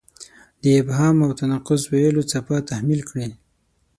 د ابهام او تناقض ویلو څپه تحمیل کړې.